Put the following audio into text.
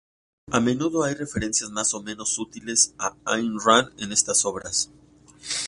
A menudo hay referencias más o menos sutiles a Ayn Rand en estas obras.